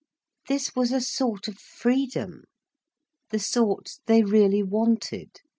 This was a sort of freedom, the sort they really wanted.